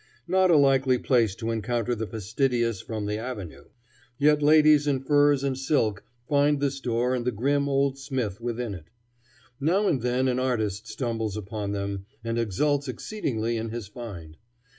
Not a likely place to encounter the fastidious from the Avenue! Yet ladies in furs and silk find this door and the grim old smith within it. Now and then an artist stumbles upon them, and exults exceedingly in his find.